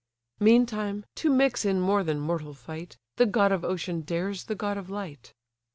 Meantime, to mix in more than mortal fight, The god of ocean dares the god of light.